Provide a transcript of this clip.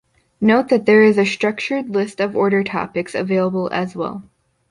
Note that there is a structured list of order topics available as well.